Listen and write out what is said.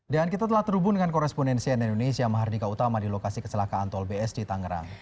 dan kita telah terhubung dengan koresponensi nenonis yamahardika utama di lokasi keselakaan tol bs di tangerang